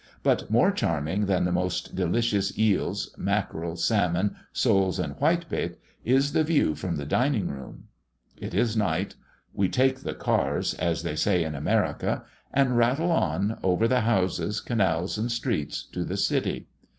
But more charming than the most delicious eels, mackerel, salmon, soles, and whitebait, is the view from the dining room. It is night. We "take the cars," as they say in America, and rattle on, over the houses, canals, and streets, to the City.